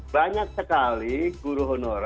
banyak sekali guru honorer